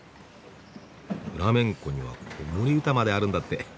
フラメンコには子守歌まであるんだって。